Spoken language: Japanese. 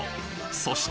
そして